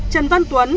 trần văn tuấn